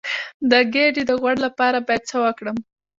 د ګیډې د غوړ لپاره باید څه وکړم؟